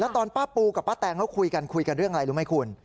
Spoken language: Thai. ตอนป้าปูกับป้าแตงเขาคุยกันคุยกันเรื่องอะไรรู้ไหมคุณ